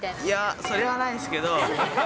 いや、それはないですけど。